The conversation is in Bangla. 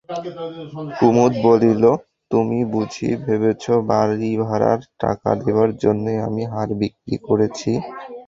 কুমুদ বলিল, তুমি বুঝি ভেবেছ বাড়িভাড়ার টাকা দেবার জন্যই আমি হার বিক্রি করেছি?